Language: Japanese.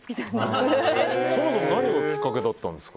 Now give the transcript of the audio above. そもそも何がきっかけだったんですか？